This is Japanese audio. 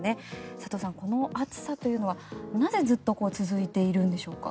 佐藤さん、この暑さというのはなぜずっと続いているんでしょうか。